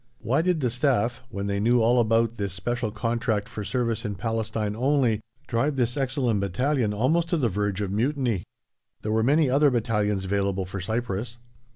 Why did the Staff, when they knew all about this special contract for service in Palestine only, drive this excellent battalion almost to the verge of mutiny? There were many other battalions available for Cyprus.